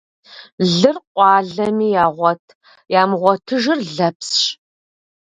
Лыр къуалэми ягъуэт, ямыгъуэтыжыр лэпсщ.